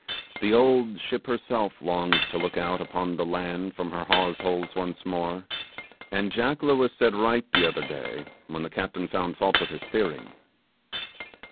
The old ship herself longs to look out upon the land from her hawse holes once more, and Jack Lewis said right the other day when the captain found fault with his steering.